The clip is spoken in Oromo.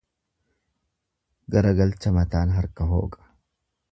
Garagalcha mataan harka hooqa.